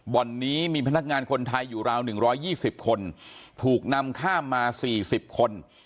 บ่อนนี้มีพนักงานคนไทยอยู่ราวหนึ่งร้อยยี่สิบคนถูกนำข้ามมาสี่สิบคน